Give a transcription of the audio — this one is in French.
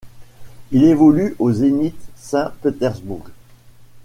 Il évolue au Zénith Saint-Pétersbourg.